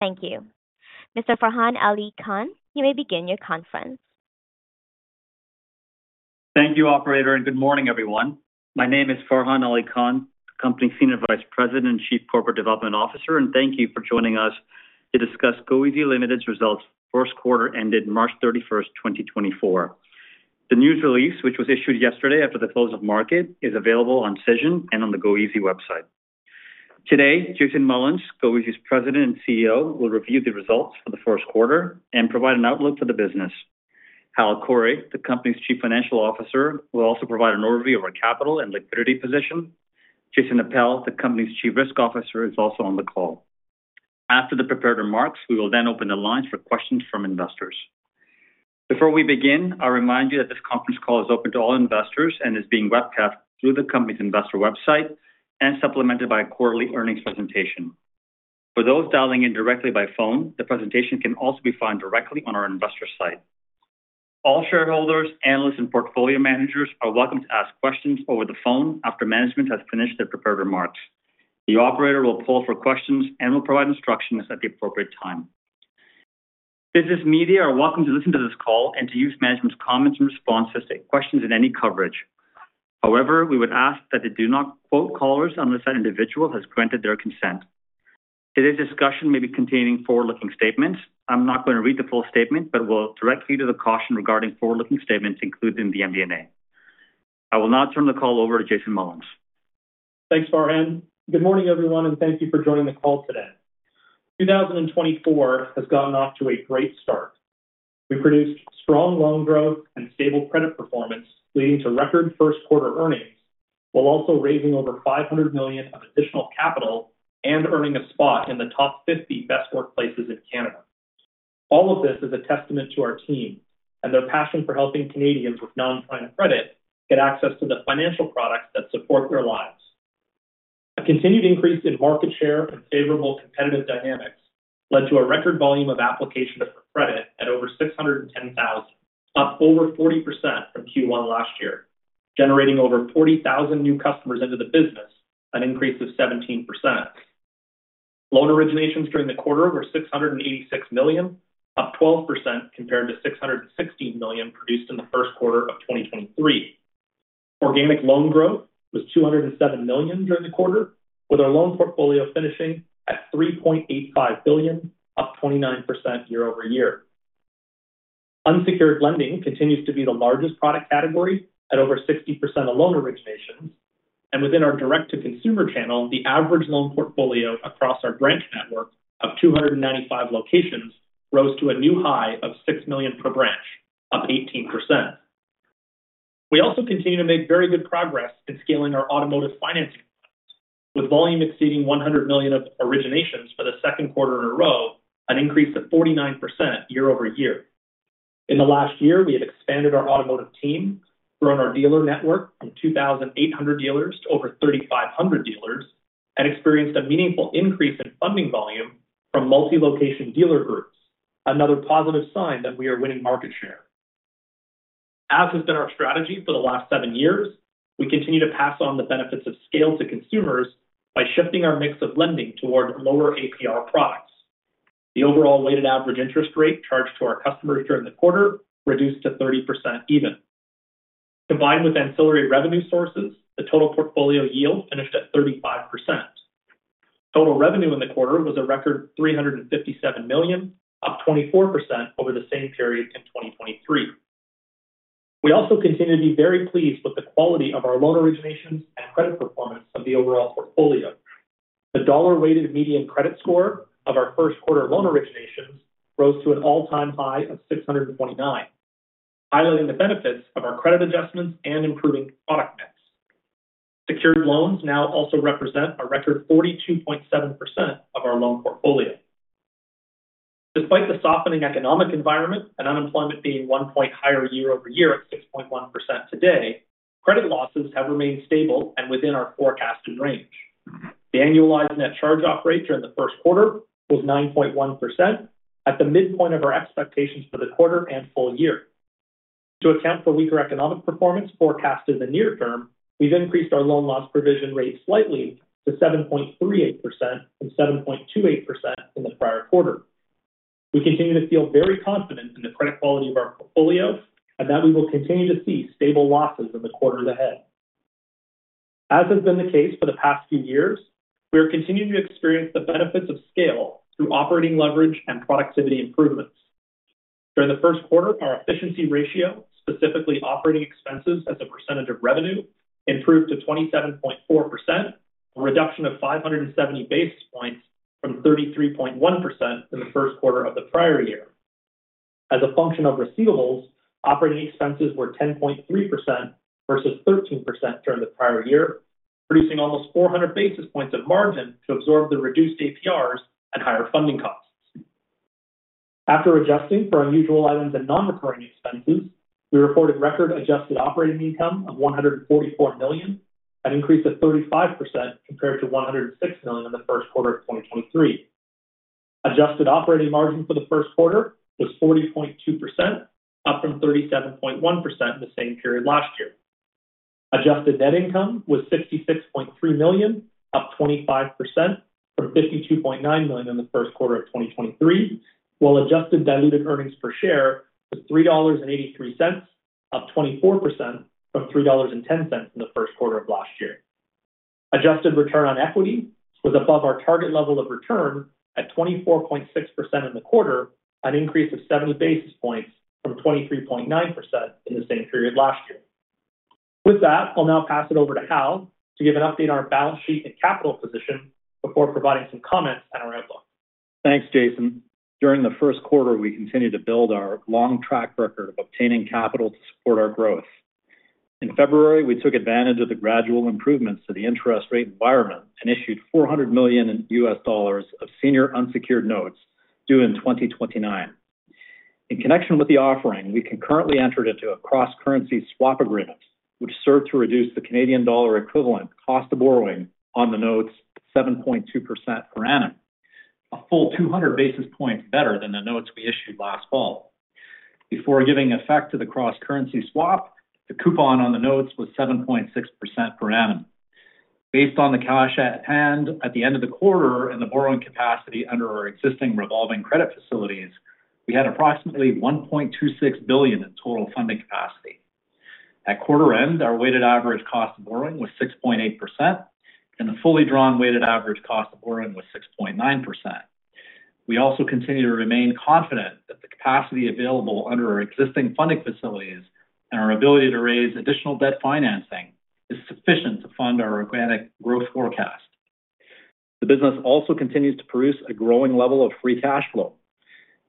Thank you. Mr. Farhan Ali Khan, you may begin your conference. Thank you, operator, and good morning, everyone. My name is Farhan Ali Khan, the company's Senior Vice President and Chief Corporate Development Officer, and thank you for joining us to discuss goeasy Ltd.'s results, first quarter ended March 31, 2024. The news release, which was issued yesterday after the close of market, is available on Cision and on the goeasy website. Today, Jason Mullins, goeasy's President and CEO, will review the results for the first quarter and provide an outlook for the business. Hal Khouri, the company's Chief Financial Officer, will also provide an overview of our capital and liquidity position. Jason Appel, the company's Chief Risk Officer, is also on the call. After the prepared remarks, we will then open the lines for questions from investors. Before we begin, I'll remind you that this conference call is open to all investors and is being webcast through the company's investor website and supplemented by a quarterly earnings presentation. For those dialing in directly by phone, the presentation can also be found directly on our investor site. All shareholders, analysts, and portfolio managers are welcome to ask questions over the phone after management has finished their prepared remarks. The operator will poll for questions and will provide instructions at the appropriate time. Business media are welcome to listen to this call and to use management's comments and responses to questions in any coverage. However, we would ask that they do not quote callers unless that individual has granted their consent. Today's discussion may be containing forward-looking statements. I'm not going to read the full statement, but will direct you to the caution regarding forward-looking statements included in the MD&A. I will now turn the call over to Jason Mullins. Thanks, Farhan. Good morning, everyone, and thank you for joining the call today. 2024 has gotten off to a great start. We produced strong loan growth and stable credit performance, leading to record first quarter earnings, while also raising over 500 million of additional capital and earning a spot in the top 50 Best Workplaces in Canada. All of this is a testament to our team and their passion for helping Canadians with non-prime credit get access to the financial products that support their lives. A continued increase in market share and favorable competitive dynamics led to a record volume of applications for credit at over 610,000, up over 40% from Q1 last year, generating over 40,000 new customers into the business, an increase of 17%. Loan originations during the quarter were 686 million, up 12% compared to 616 million produced in the first quarter of 2023. Organic loan growth was 207 million during the quarter, with our loan portfolio finishing at 3.85 billion, up 29% year-over-year. Unsecured lending continues to be the largest product category at over 60% of loan originations, and within our direct-to-consumer channel, the average loan portfolio across our branch network of 295 locations rose to a new high of 6 million per branch, up 18%. We also continue to make very good progress in scaling our automotive financing, with volume exceeding 100 million of originations for the second quarter in a row, an increase of 49% year-over-year. In the last year, we have expanded our automotive team, grown our dealer network from 2,800 dealers to over 3,500 dealers, and experienced a meaningful increase in funding volume from multi-location dealer groups, another positive sign that we are winning market share. As has been our strategy for the last seven years, we continue to pass on the benefits of scale to consumers by shifting our mix of lending toward lower APR products. The overall weighted average interest rate charged to our customers during the quarter reduced to 30% even. Combined with ancillary revenue sources, the total portfolio yield finished at 35%. Total revenue in the quarter was a record 357 million, up 24% over the same period in 2023. We also continue to be very pleased with the quality of our loan originations and credit performance of the overall portfolio. The dollar-weighted median credit score of our first quarter loan originations rose to an all-time high of 629, highlighting the benefits of our credit adjustments and improving product mix. Secured loans now also represent a record 42.7% of our loan portfolio. Despite the softening economic environment and unemployment being 1 point higher year-over-year at 6.1% today, credit losses have remained stable and within our forecasted range. The annualized net charge-off rate during the first quarter was 9.1%, at the midpoint of our expectations for the quarter and full-year. To account for weaker economic performance forecast in the near term, we've increased our loan loss provision rate slightly to 7.38% from 7.28% in the prior quarter. We continue to feel very confident in the credit quality of our portfolio, and that we will continue to see stable losses in the quarters ahead. As has been the case for the past few years, we are continuing to experience the benefits of scale through operating leverage and productivity improvements. During the first quarter, our efficiency ratio, specifically operating expenses as a percentage of revenue, improved to 27.4%, a reduction of 570 basis points from 33.1% in the first quarter of the prior-year. As a function of receivables, operating expenses were 10.3% versus 13% during the prior-year, producing almost 400 basis points of margin to absorb the reduced APRs and higher funding costs. After adjusting for unusual items and non-recurring expenses, we reported record adjusted operating income of 144 million, an increase of 35% compared to 106 million in the first quarter of 2023. Adjusted operating margin for the first quarter was 40.2%, up from 37.1% in the same period last year—adjusted net income was 66.3 million, up 25% from 52.9 million in the first quarter of 2023, while adjusted diluted earnings per share was 3.83 dollars, up 24% from 3.10 dollars in the first quarter of last year. Adjusted return on equity was above our target level of return at 24.6% in the quarter, an increase of 70 basis points from 23.9% in the same period last year. With that, I'll now pass it over to Hal to give an update on our balance sheet and capital position before providing some comments on our outlook. Thanks, Jason. During the first quarter, we continued to build our long track record of obtaining capital to support our growth. In February, we took advantage of the gradual improvements to the interest rate environment and issued $400 million of senior unsecured notes due in 2029. In connection with the offering, we concurrently entered into a cross-currency swap agreement, which served to reduce the Canadian dollar equivalent cost of borrowing on the notes, 7.2% per annum, a full 200 basis points better than the notes we issued last fall. Before giving effect to the cross-currency swap, the coupon on the notes was 7.6% per annum. Based on the cash at hand at the end of the quarter and the borrowing capacity under our existing revolving credit facilities, we had approximately 1.26 billion in total funding capacity. At quarter end, our weighted average cost of borrowing was 6.8%, and the fully drawn weighted average cost of borrowing was 6.9%. We also continue to remain confident that the capacity available under our existing funding facilities and our ability to raise additional debt financing is sufficient to fund our organic growth forecast. The business also continues to produce a growing level of free cash flow.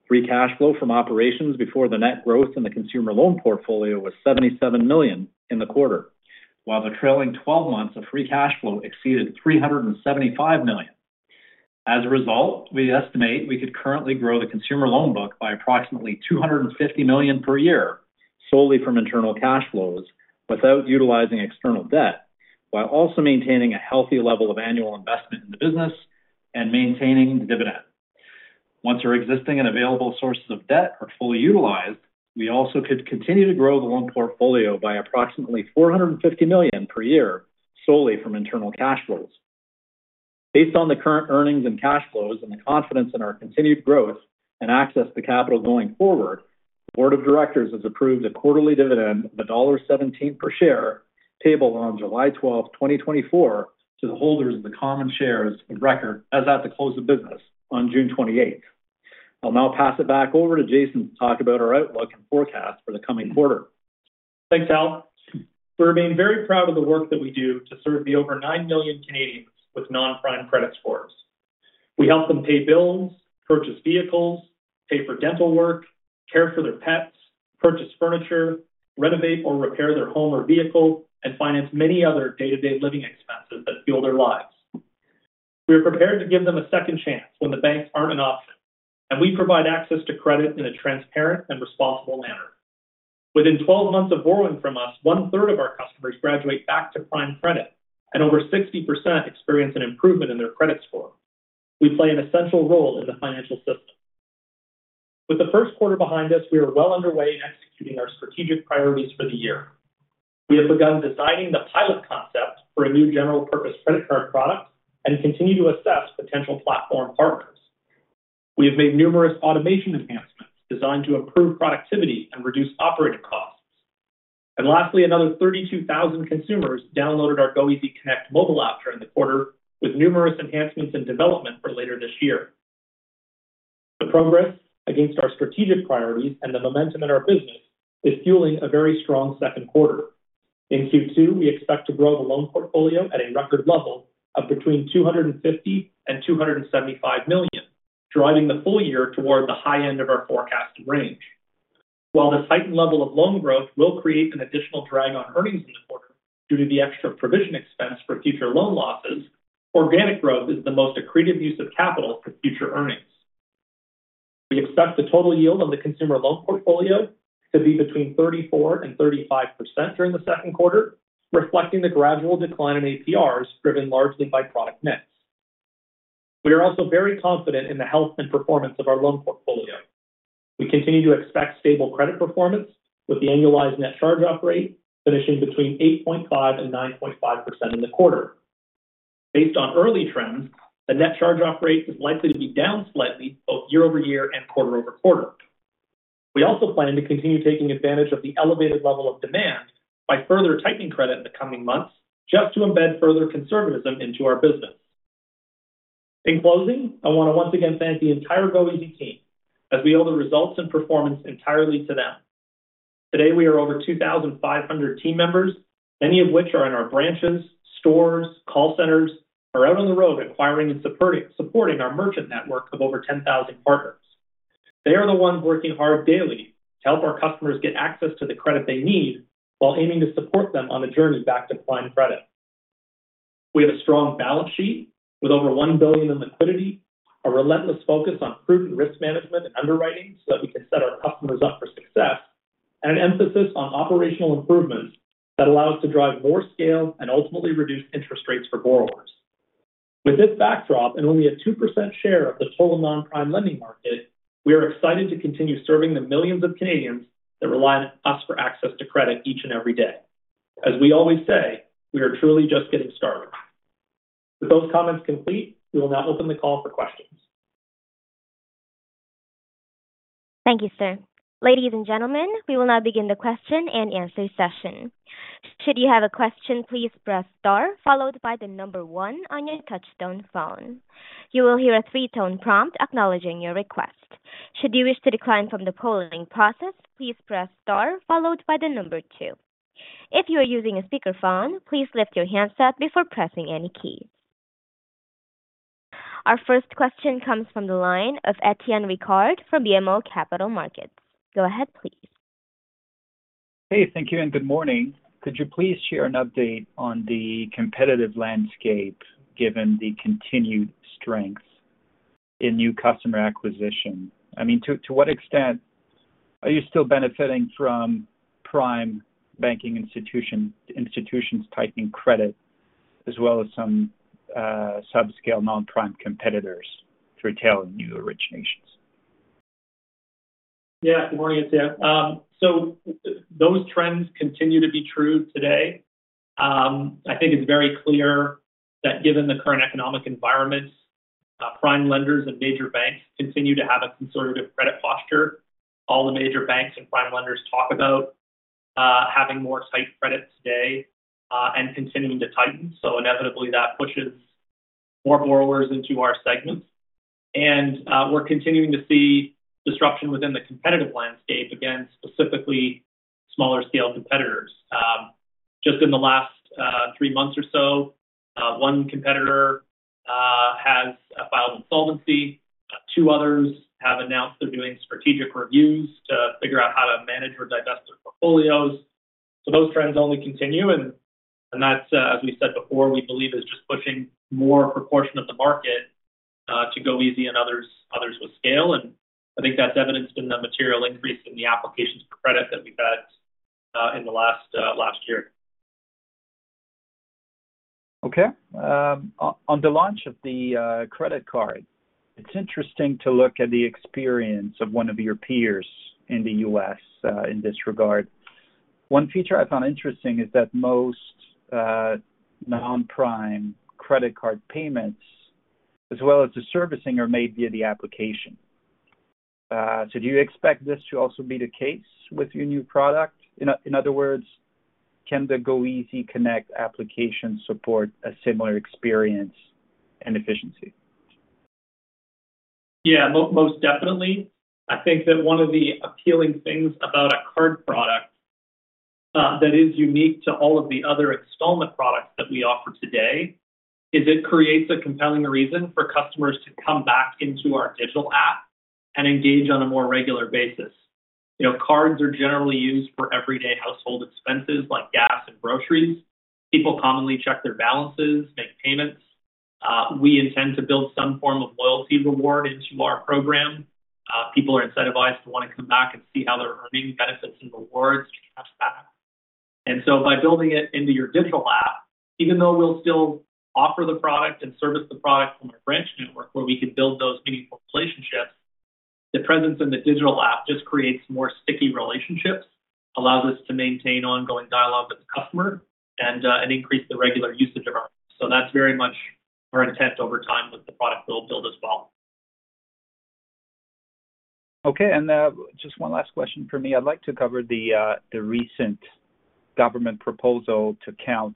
Free cash flow from operations before the net growth in the consumer loan portfolio was 77 million in the quarter, while the trailing twelve months of free cash flow exceeded 375 million. As a result, we estimate we could currently grow the consumer loan book by approximately 250 million per year, solely from internal cash flows, without utilizing external debt, while also maintaining a healthy level of annual investment in the business and maintaining the dividend. Once our existing and available sources of debt are fully utilized, we also could continue to grow the loan portfolio by approximately 450 million per year, solely from internal cash flows. Based on the current earnings and cash flows and the confidence in our continued growth and access to capital going forward, the board of directors has approved a quarterly dividend of dollar 1.17 per share, payable on July twelfth, 2024, to the holders of the common shares of record as at the close of business on June 28th. I'll now pass it back over to Jason to talk about our outlook and forecast for the coming quarter. Thanks, Hal. We remain very proud of the work that we do to serve the over 9 million Canadians with non-prime credit scores. We help them pay bills, purchase vehicles, pay for dental work, care for their pets, purchase furniture, renovate or repair their home or vehicle, and finance many other day-to-day living expenses that fuel their lives. We are prepared to give them a second chance when the banks aren't an option, and we provide access to credit in a transparent and responsible manner. Within 12 months of borrowing from us, one-third of our customers graduate back to prime credit, and over 60% experience an improvement in their credit score. We play an essential role in the financial system. With the first quarter behind us, we are well underway in executing our strategic priorities for the year. We have begun designing the pilot concept for a new general purpose credit card product and continue to assess potential platform partners. We have made numerous automation enhancements designed to improve productivity and reduce operating costs. Lastly, another 32,000 consumers downloaded our goeasy Connect mobile app during the quarter, with numerous enhancements in development for later this year. The progress against our strategic priorities and the momentum in our business is fueling a very strong second quarter. In Q2, we expect to grow the loan portfolio at a record level of between 250 million and 275 million, driving the full-year toward the high end of our forecast range. While this heightened level of loan growth will create an additional drag on earnings in the quarter due to the extra provision expense for future loan losses, organic growth is the most accretive use of capital for future earnings. We expect the total yield on the consumer loan portfolio to be between 34% and 35% during the second quarter, reflecting the gradual decline in APRs, driven largely by product mix. We are also very confident in the health and performance of our loan portfolio. We continue to expect stable credit performance, with the annualized net charge-off rate finishing between 8.5% and 9.5% in the quarter. Based on early trends, the net charge-off rate is likely to be down slightly, both year-over-year and quarter-over-quarter. We also plan to continue taking advantage of the elevated level of demand by further tightening credit in the coming months, just to embed further conservatism into our business. In closing, I want to once again thank the entire goeasy team, as we owe the results and performance entirely to them. Today, we are over 2,500 team members, many of which are in our branches, stores, call centers, or out on the road acquiring and supporting our merchant network of over 10,000 partners. They are the ones working hard daily to help our customers get access to the credit they need while aiming to support them on the journey back to prime credit. We have a strong balance sheet with over 1 billion in liquidity, a relentless focus on prudent risk management and underwriting so that we can set our customers up for success, and an emphasis on operational improvements that allow us to drive more scale and ultimately reduce interest rates for borrowers. With this backdrop and only a 2% share of the total non-prime lending market, we are excited to continue serving the millions of Canadians that rely on us for access to credit each and every day. As we always say, we are truly just getting started. With those comments complete, we will now open the call for questions. Thank you, sir. Ladies and gentlemen, we will now begin the question and answer session. Should you have a question, please press star followed by the number one on your touchtone phone. You will hear a three-tone prompt acknowledging your request. Should you wish to decline from the polling process, please press star followed by the number two. If you are using a speakerphone, please lift your handset before pressing any key. Our first question comes from the line of Étienne Ricard from BMO Capital Markets. Go ahead, please. Hey, thank you, and good morning. Could you please share an update on the competitive landscape, given the continued strength in new customer acquisition? I mean, to what extent are you still benefiting from prime banking institutions tightening credit as well as some subscale non-prime competitors through tail new originations? Yeah. Good morning, Étienne. So those trends continue to be true today. I think it's very clear that given the current economic environment, prime lenders and major banks continue to have a conservative credit posture. All the major banks and prime lenders talk about having more tight credit today, and continuing to tighten. So inevitably, that pushes more borrowers into our segments. And, we're continuing to see disruption within the competitive landscape, again, specifically smaller scale competitors. Just in the last three months or so, one competitor has filed insolvency, two others have announced they're doing strategic reviews to figure out how to manage or divest their portfolios. So those trends only continue, and that's, as we said before, we believe is just pushing more proportion of the market, to goeasy and others with scale. And I think that's evidenced in the material increase in the applications for credit that we've had, in the last year. Okay. On the launch of the credit card, it's interesting to look at the experience of one of your peers in the U.S. in this regard. One feature I found interesting is that most non-prime credit card payments, as well as the servicing, are made via the application. So do you expect this to also be the case with your new product? In other words, can the goeasy Connect application support a similar experience and efficiency? Yeah, most definitely. I think that one of the appealing things about a card product, that is unique to all of the other installment products that we offer today, is it creates a compelling reason for customers to come back into our digital app and engage on a more regular basis. You know, cards are generally used for everyday household expenses like gas and groceries. People commonly check their balances, make payments. We intend to build some form of loyalty reward into our program. People are incentivized to wanna come back and see how they're earning benefits and rewards, cash back. And so by building it into your digital app, even though we'll still offer the product and service the product from our branch network, where we can build those meaningful relationships, the presence in the digital app just creates more sticky relationships, allows us to maintain ongoing dialogue with the customer, and and increase the regular usage of our products. So that's very much our intent over time with the product we'll build as well. Okay, and just one last question for me. I'd like to cover the recent government proposal to count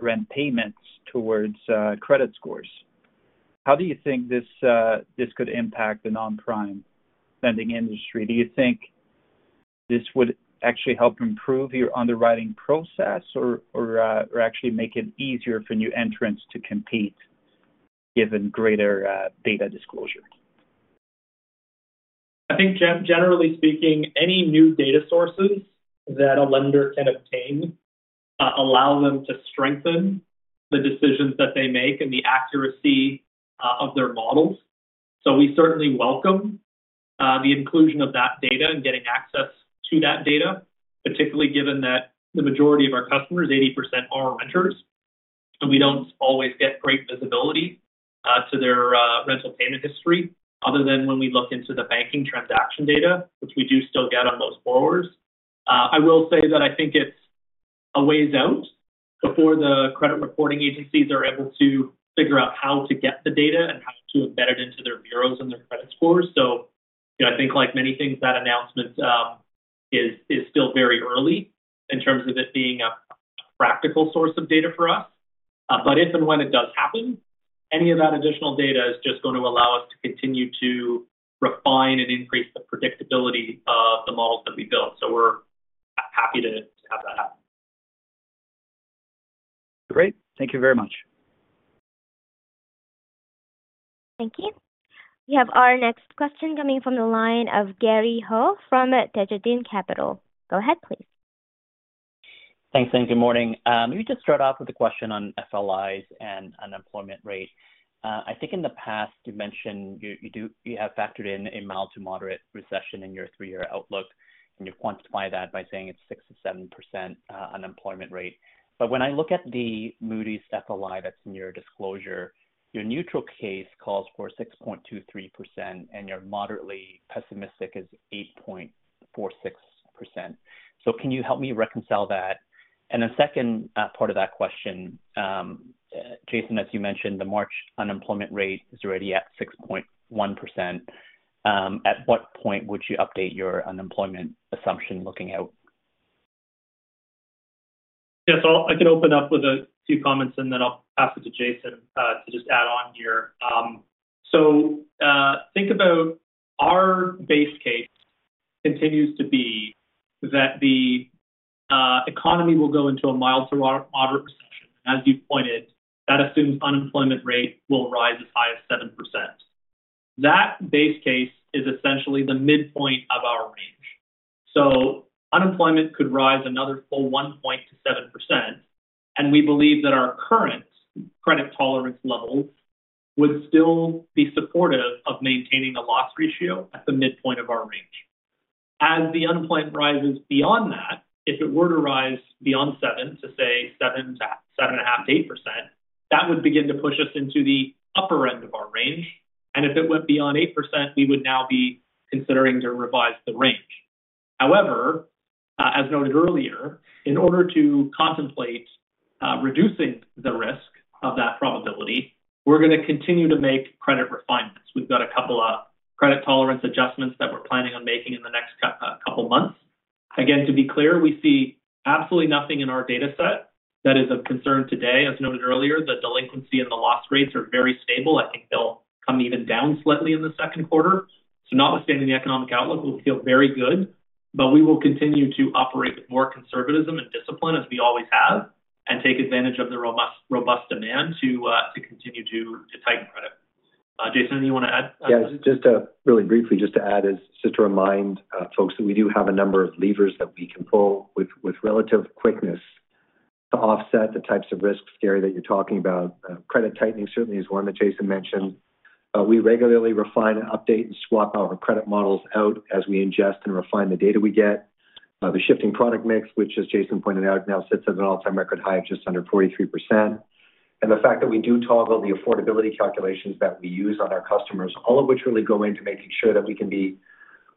rent payments towards credit scores. How do you think this could impact the non-prime lending industry? Do you think this would actually help improve your underwriting process or actually make it easier for new entrants to compete, given greater data disclosure? I think generally speaking, any new data sources that a lender can obtain allow them to strengthen the decisions that they make and the accuracy of their models. So we certainly welcome the inclusion of that data and getting access to that data, particularly given that the majority of our customers, 80%, are renters, so we don't always get great visibility to their rental payment history, other than when we look into the banking transaction data, which we do still get on most borrowers. I will say that I think it's a ways out before the credit reporting agencies are able to figure out how to get the data and how to embed it into their bureaus and their credit scores. So, you know, I think like many things, that announcement is still very early in terms of it being a practical source of data for us. But if and when it does happen, any of that additional data is just going to allow us to continue to refine and increase the predictability of the models that we built, so we're happy to have that happen. Great. Thank you very much. Thank you. We have our next question coming from the line of Gary Ho from Desjardins Capital Markets. Go ahead, please. Thanks, and good morning. Let me just start off with a question on FLIs and unemployment rate. I think in the past, you mentioned you have factored in a mild to moderate recession in your three-year outlook, and you quantify that by saying it's 6%-7%, unemployment rate. But when I look at the Moody's FLI, that's in your disclosure, your neutral case calls for 6.23%, and your moderately pessimistic is 8.46%. So can you help me reconcile that? And the second, part of that question, Jason, as you mentioned, the March unemployment rate is already at 6.1%. At what point would you update your unemployment assumption looking out? Yes, I can open up with a few comments, and then I'll pass it to Jason to just add on here. Think about our base case continues to be that the economy will go into a mild to moderate recession. As you pointed, that assumes unemployment rate will rise as high as 7%. That base case is essentially the midpoint of our range. So unemployment could rise another full one point to 7%, and we believe that our current credit tolerance levels would still be supportive of maintaining a loss ratio at the midpoint of our range. As the unemployment rises beyond that, if it were to rise beyond 7, to say, 7%-7.5%-8%, that would begin to push us into the upper end of our range, and if it went beyond 8%, we would now be considering to revise the range. However, as noted earlier, in order to contemplate reducing the risk of that probability, we're gonna continue to make credit refinements. We've got a couple of credit tolerance adjustments that we're planning on making in the next couple months. Again, to be clear, we see absolutely nothing in our data set that is of concern today. As noted earlier, the delinquency and the loss rates are very stable. I think they'll come even down slightly in the second quarter. So notwithstanding the economic outlook, we feel very good, but we will continue to operate with more conservatism and discipline as we always have, and take advantage of the robust, robust demand to continue to tighten credit. Jason, anything you wanna add? Yeah, just to, really briefly, just to add is just to remind, folks that we do have a number of levers that we can pull with, with relative quickness to offset the types of risks, Gary, that you're talking about. Credit tightening certainly is one that Jason mentioned. We regularly refine and update and swap our credit models out as we ingest and refine the data we get. The shifting product mix, which as Jason pointed out, now sits at an all-time record high of just under 43%. And the fact that we do toggle the affordability calculations that we use on our customers, all of which really go into making sure that we can be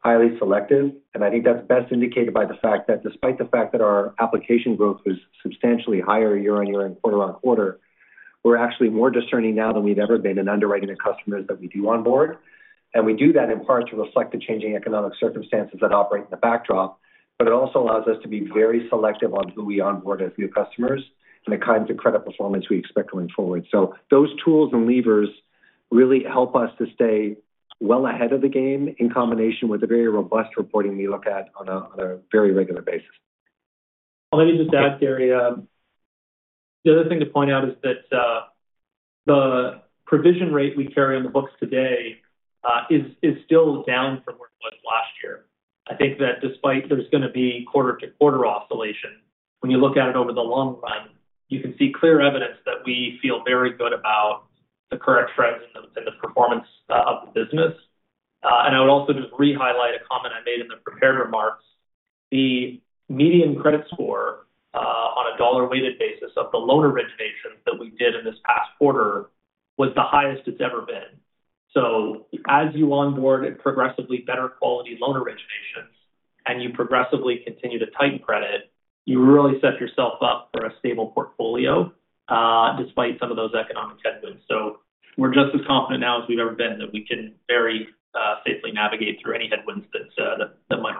highly selective. And I think that's best indicated by the fact that despite the fact that our application growth was substantially higher year-on-year and quarter-on-quarter, we're actually more discerning now than we've ever been in underwriting the customers that we do onboard. And we do that in part to reflect the changing economic circumstances that operate in the backdrop, but it also allows us to be very selective on who we onboard as new customers and the kinds of credit performance we expect going forward. So those tools and levers really help us to stay well ahead of the game, in combination with the very robust reporting we look at on a very regular basis. Let me just add, Gary, the other thing to point out is that, the provision rate we carry on the books today, is still down from where it was last year. I think that despite there's gonna be quarter-to-quarter oscillation, when you look at it over the long run, you can see clear evidence that we feel very good about the current trends and the, and the performance, of the business. And I would also just rehighlight a comment I made in the prepared remarks. The median credit score, on a dollar-weighted basis of the loan originations that we did in this past quarter, was the highest it's ever been. So as you onboard progressively better quality loan originations, and you progressively continue to tighten credit, you really set yourself up for a stable portfolio, despite some of those economic headwinds. So we're just as confident now as we've ever been, that we can very safely navigate through any headwinds that might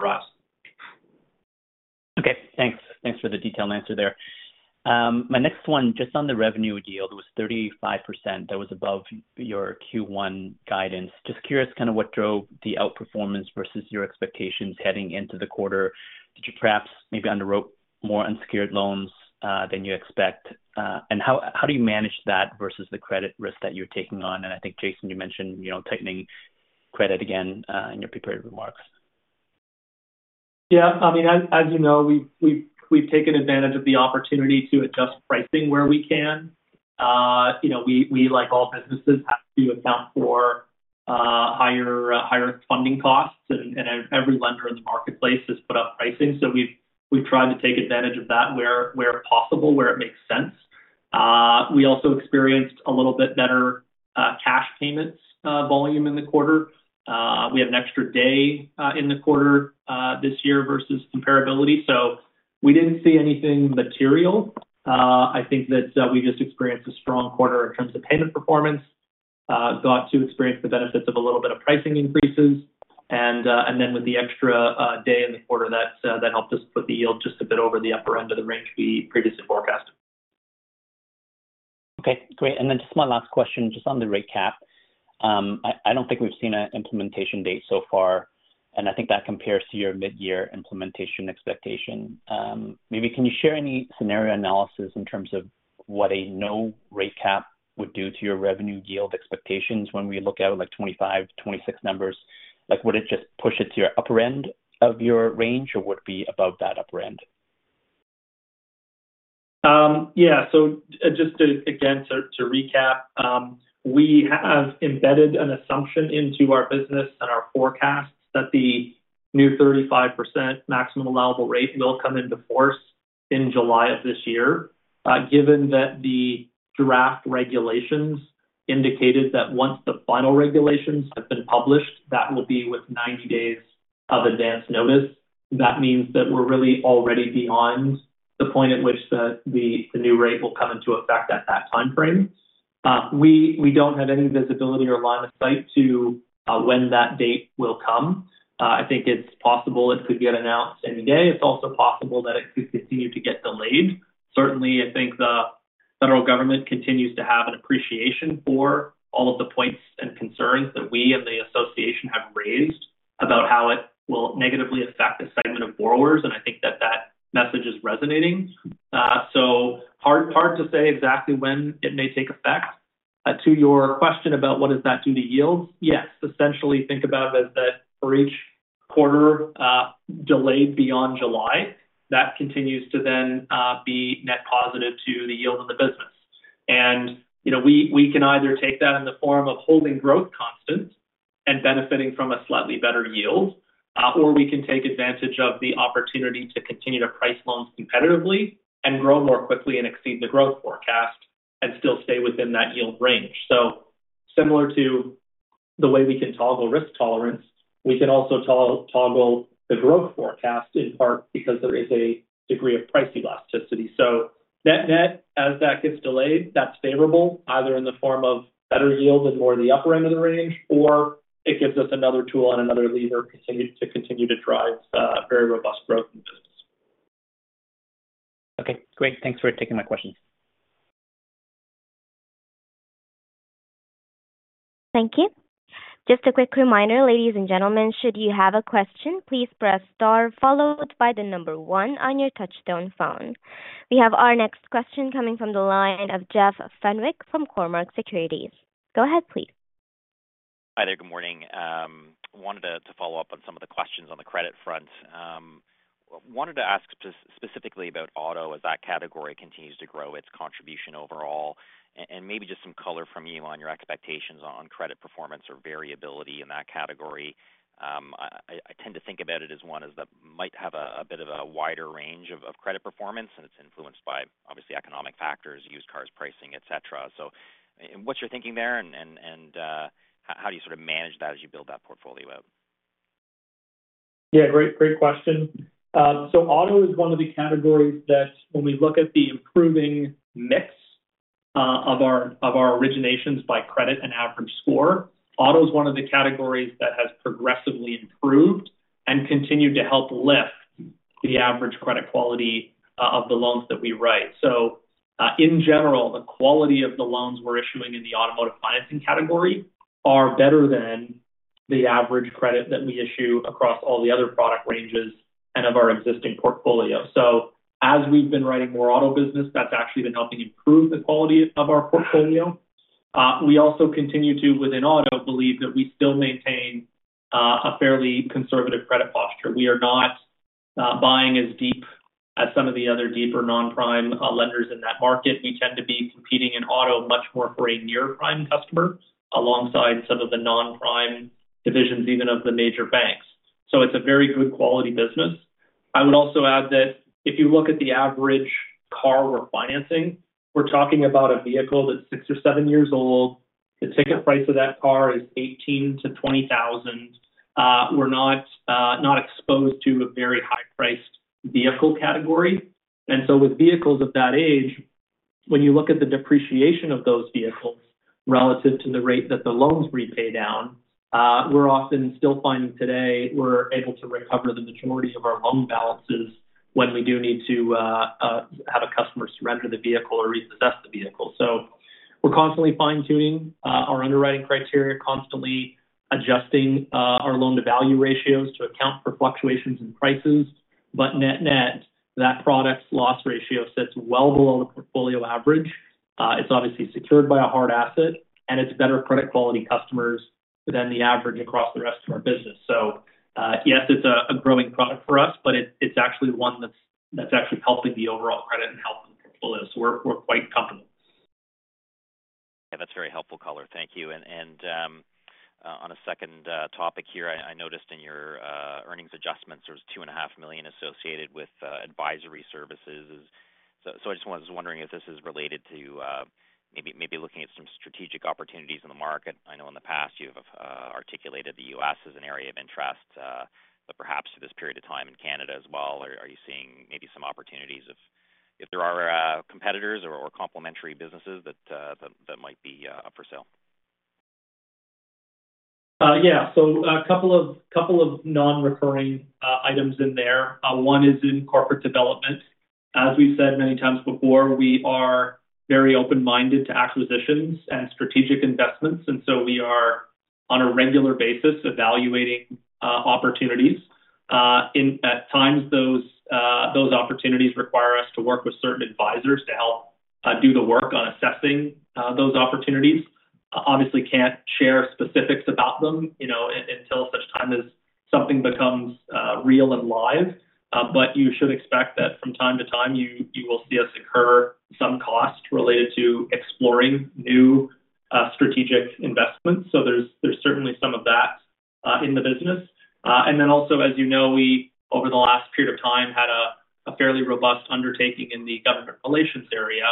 arise. Okay, thanks. Thanks for the detailed answer there. My next one, just on the revenue yield, was 35%. That was above your Q1 guidance. Just curious kind of what drove the outperformance versus your expectations heading into the quarter. Did you perhaps maybe underwrite more unsecured loans than you expect? And how do you manage that versus the credit risk that you're taking on? And I think, Jason, you mentioned, you know, tightening credit again in your prepared remarks. Yeah. I mean, as you know, we've taken advantage of the opportunity to adjust pricing where we can. You know, we, like all businesses, have to account for higher funding costs, and every lender in the marketplace has put up pricing. So we've tried to take advantage of that where possible, where it makes sense. We also experienced a little bit better cash payments volume in the quarter. We had an extra day in the quarter this year versus comparability, so we didn't see anything material. I think that we just experienced a strong quarter in terms of payment performance, got to experience the benefits of a little bit of pricing increases, and then with the extra day in the quarter, that helped us put the yield just a bit over the upper end of the range we previously forecasted. Okay, great. And then just my last question, just on the rate cap. I don't think we've seen an implementation date so far, and I think that compares to your mid-year implementation expectation. Maybe can you share any scenario analysis in terms of what a no-rate cap would do to your revenue yield expectations when we look at, like, 2025, 2026 numbers? Like, would it just push it to your upper end of your range, or would it be above that upper end? Yeah, so just to, again, recap, we have embedded an assumption into our business and our forecasts that the new 35% maximum allowable rate will come into force in July of this year. Given that the draft regulations indicated that once the final regulations have been published, that will be with 90 days of advance notice. That means that we're really already beyond the point at which the new rate will come into effect at that timeframe. We don't have any visibility or line of sight to when that date will come. I think it's possible it could get announced any day. It's also possible that it could continue to get delayed. Certainly, I think the federal government continues to have an appreciation for all of the points and concerns that we and the association have raised, about how it will negatively affect a segment of borrowers, and I think that that message is resonating. So hard, hard to say exactly when it may take effect. To your question about what does that do to yields? Yes, essentially, think about it as that for each quarter, delayed beyond July, that continues to then, be net positive to the yield of the business. And, you know, we, we can either take that in the form of holding growth constant and benefiting from a slightly better yield, or we can take advantage of the opportunity to continue to price loans competitively and grow more quickly and exceed the growth forecast, and still stay within that yield range. So similar to the way we can toggle risk tolerance, we can also toggle the growth forecast, in part because there is a degree of pricing elasticity. So net-net, as that gets delayed, that's favorable, either in the form of better yield and more the upper end of the range, or it gives us another tool and another lever to continue to drive very robust growth in business. Okay, great. Thanks for taking my questions. Thank you. Just a quick reminder, ladies and gentlemen, should you have a question, please press star followed by the number one on your touchtone phone. We have our next question coming from the line of Jeff Fenwick from Cormark Securities. Go ahead, please. Hi there, good morning. Wanted to follow up on some of the questions on the credit front. Wanted to ask specifically about auto, as that category continues to grow its contribution overall. And maybe just some color from you on your expectations on credit performance or variability in that category. I tend to think about it as one that might have a bit of a wider range of credit performance, and it's influenced by, obviously, economic factors, used cars, pricing, et cetera. So what's your thinking there, and how do you sort of manage that as you build that portfolio out? Yeah, great, great question. So auto is one of the categories that when we look at the improving mix of our originations by credit and average score, auto is one of the categories that has progressively improved and continued to help lift the average credit quality of the loans that we write. So in general, the quality of the loans we're issuing in the automotive financing category are better than the average credit that we issue across all the other product ranges and of our existing portfolio. So as we've been writing more auto business, that's actually been helping improve the quality of our portfolio. We also continue to, within auto, believe that we still maintain a fairly conservative credit posture. We are not buying as deep as some of the other deeper non-prime lenders in that market. We tend to be competing in auto much more for a near-prime customer, alongside some of the non-prime divisions, even of the major banks. So it's a very good quality business. I would also add that if you look at the average car we're financing, we're talking about a vehicle that's six or seven years old. The ticket price of that car is 18,000-20,000. We're not exposed to a very high-priced vehicle category. And so with vehicles of that age, when you look at the depreciation of those vehicles relative to the rate that the loans repay down, we're often still finding today, we're able to recover the majority of our loan balances when we do need to have a customer surrender the vehicle or repossess the vehicle. So we're constantly fine-tuning our underwriting criteria, constantly adjusting our loan-to-value ratios to account for fluctuations in prices. But net-net, that product's loss ratio sits well below the portfolio average. It's obviously secured by a hard asset, and it's better credit quality customers than the average across the rest of our business. So, yes, it's a growing product for us, but it's actually one that's actually helping the overall credit and helping the portfolio. So we're quite confident. Yeah, that's very helpful color. Thank you. On a second topic here, I noticed in your earnings adjustments, there was 2.5 million associated with advisory services. So I just was wondering if this is related to maybe looking at some strategic opportunities in the market. I know in the past you have articulated the US as an area of interest, but perhaps this period of time in Canada as well. Are you seeing maybe some opportunities if there are competitors or complementary businesses that might be up for sale? Yeah. So a couple of non-recurring items in there. One is in corporate development. As we've said many times before, we are very open-minded to acquisitions and strategic investments, and so we are, on a regular basis, evaluating opportunities. At times those opportunities require us to work with certain advisors to help do the work on assessing those opportunities. Obviously can't share specifics about them, you know, until such time as something becomes real and live. But you should expect that from time to time, you will see us incur some costs related to exploring new strategic investments. So there's certainly some of that in the business. And then also, as you know, we, over the last period of time, had a fairly robust undertaking in the government relations area,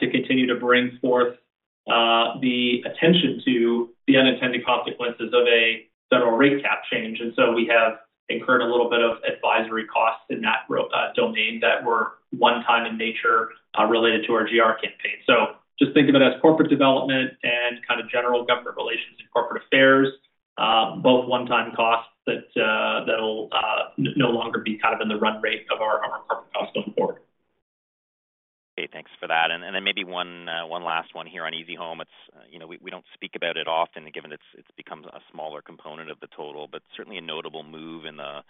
to continue to bring forth the attention to the unintended consequences of a federal rate cap change. And so we have incurred a little bit of advisory costs in that real domain that were one-time in nature, related to our GR campaign. So just think of it as corporate development and kind of general government relations and corporate affairs. Both one-time costs that that'll no longer be kind of in the run rate of our corporate costs going forward. Okay, thanks for that. And then maybe one last one here on easyhome. It's, you know, we don't speak about it often, given it's become a smaller component of the total, but certainly a notable move in the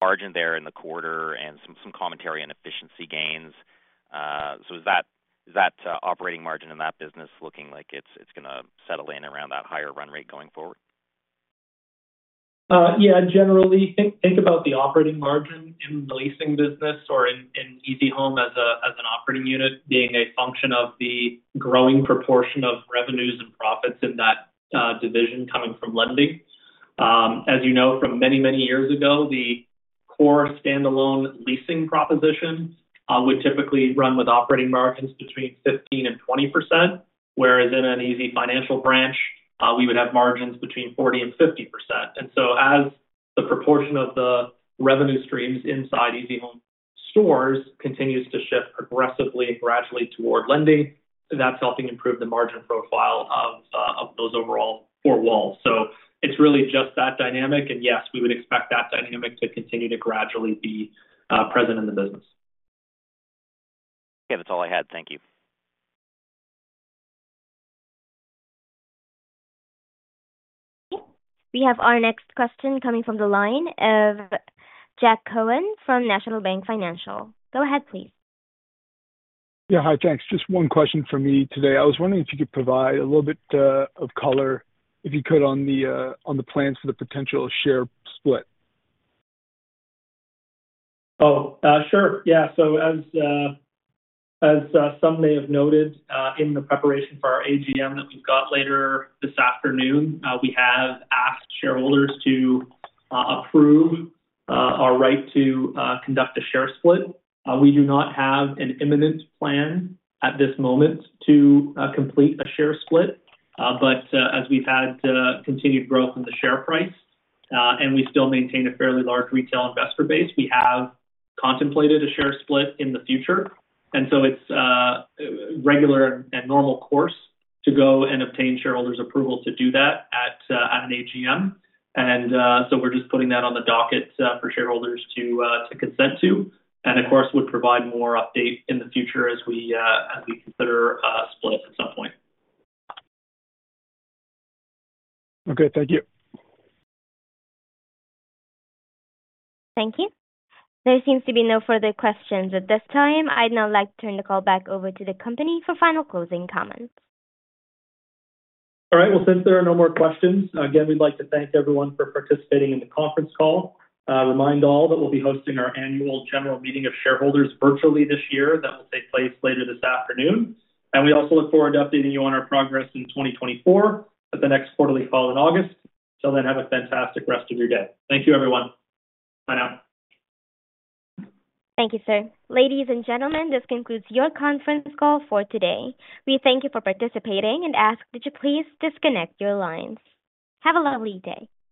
margin there in the quarter and some commentary on efficiency gains. So is that operating margin in that business looking like it's gonna settle in around that higher run rate going forward? Yeah, generally, think about the operating margin in the leasing business or in easyhome as an operating unit, being a function of the growing proportion of revenues and profits in that division coming from lending. As you know, from many, many years ago, the core standalone leasing proposition would typically run with operating margins between 15%-20%, whereas in an easyfinancial branch, we would have margins between 40%-50%. And so as the proportion of the revenue streams inside easyhome stores continues to shift progressively and gradually toward lending, that's helping improve the margin profile of those overall four walls. So it's really just that dynamic. And yes, we would expect that dynamic to continue to gradually be present in the business. Yeah, that's all I had. Thank you. We have our next question coming from the line of Jaeme Gloyn from National Bank Financial. Go ahead, please. Yeah. Hi, thanks. Just one question for me today. I was wondering if you could provide a little bit of color, if you could, on the plans for the potential share split. Oh, sure. Yeah. So as some may have noted, in the preparation for our AGM that we've got later this afternoon, we have asked shareholders to approve our right to conduct a share split. We do not have an imminent plan at this moment to complete a share split. But as we've had continued growth in the share price, and we still maintain a fairly large retail investor base, we have contemplated a share split in the future. And so it's regular and normal course to go and obtain shareholders' approval to do that at an AGM. So we're just putting that on the docket for shareholders to consent to, and of course, would provide more update in the future as we consider a split at some point. Okay, thank you. Thank you. There seems to be no further questions at this time. I'd now like to turn the call back over to the company for final closing comments. All right. Well, since there are no more questions, again, we'd like to thank everyone for participating in the conference call. Remind all that we'll be hosting our annual general meeting of shareholders virtually this year. That will take place later this afternoon. We also look forward to updating you on our progress in 2024 at the next quarterly call in August. Till then, have a fantastic rest of your day. Thank you, everyone. Bye now. Thank you, sir. Ladies and gentlemen, this concludes your conference call for today. We thank you for participating and ask that you please disconnect your lines. Have a lovely day.